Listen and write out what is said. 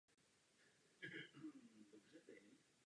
Za první světové války byly zvony zrekvírovány.